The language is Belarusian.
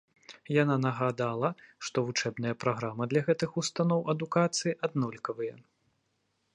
Яна нагадала, што вучэбная праграма для гэтых устаноў адукацыі аднолькавая.